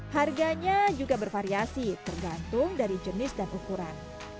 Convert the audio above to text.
harganya juga bervariasi tergantung dari jenis dan ukuran